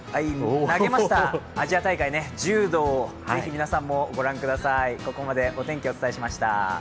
投げました、アジア大会、柔道是非、皆さんもご覧ください。